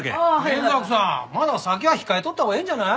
賢作さんまだ酒は控えとったほうがええんじゃない？